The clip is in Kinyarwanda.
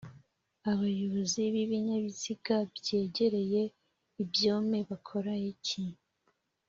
abayobozi b’ibinyabiziga byegereye ibyome bakora iki